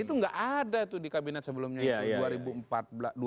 itu tidak ada di kabinet sebelumnya itu dua ribu empat belas dua ribu lima belas